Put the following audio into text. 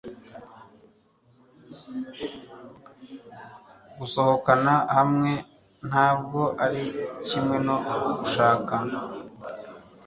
gusohokana hamwe ntabwo ari kimwe no gushaka